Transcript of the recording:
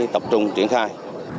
tập trung triển khai